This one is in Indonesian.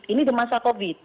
ini di masa covid